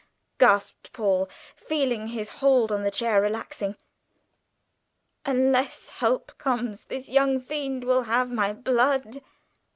Paul gasped, feeling his hold on the chair relaxing. "Unless help comes this young fiend will have my blood!"